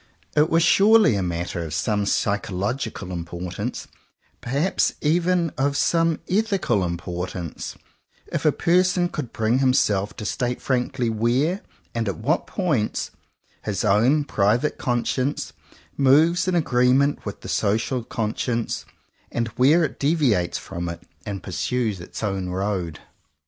It were surely a matter of some psycholog ical importance, perhaps even of some ethi cal importance, if a person could bring himself to state frankly where, and at what points, his own private conscience moves in agreement with the social conscience, and where it deviates from it and pursues its own road.